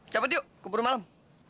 cepet yuk kubur malem